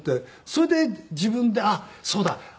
それで自分であっそうだ。